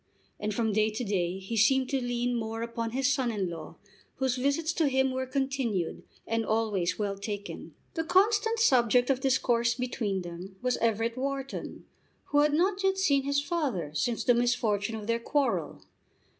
And from day to day he seemed to lean more upon his son in law, whose visits to him were continued, and always well taken. The constant subject of discourse between them was Everett Wharton, who had not yet seen his father since the misfortune of their quarrel.